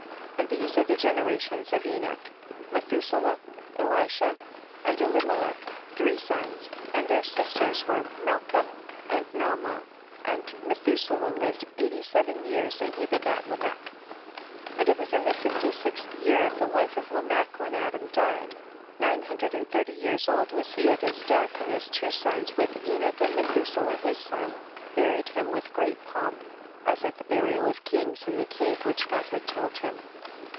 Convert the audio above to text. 13. And these are the generations of Enoch ; Methuselah, Elisha, and Elimelech, three sons ; and their sis ters loere Melca and Nahmah, and Methuselah lived eighty seven years and he begat Lamech. 14. And it was in the fifty sixth year of the life of Lamech when Adam died ; nine hundred and thirty years old was he at his death, and his two sons, with Enoch and Me thuselah his son, buried him with great pomp, as at the burial of kings, in the cave which God had told him.